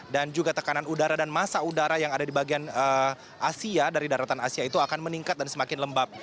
juga tekanan udara dan masa udara yang ada di bagian asia dari daratan asia itu akan meningkat dan semakin lembab